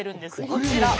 こちら。